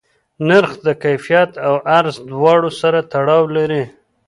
نرخ د کیفیت او عرضه دواړو سره تړاو لري.